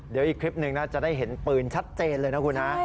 เดี๋ยวอีกคลิปหนึ่งน่าจะได้เห็นปืนชัดเจนเลยนะคุณฮะ